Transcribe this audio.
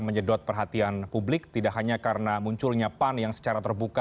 menyedot perhatian publik tidak hanya karena munculnya pan yang secara terbuka